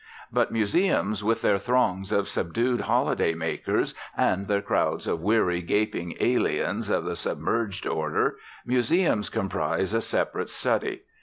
But museums, with their throngs of subdued holiday makers and their crowds of weary gaping aliens of the submerged order, museums comprise a separate study.